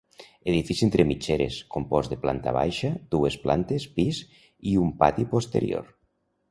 Edifici entre mitgeres, compost de planta baixa, dues plantes pis i un pati posterior.